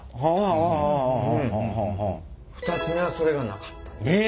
２つ目はそれがなかった。